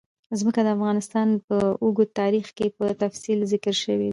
ځمکه د افغانستان په اوږده تاریخ کې په تفصیل ذکر شوی دی.